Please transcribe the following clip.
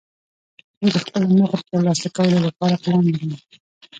زه د خپلو موخو د ترلاسه کولو له پاره پلان جوړوم.